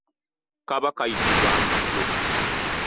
Kaba kayitibwa nzijo.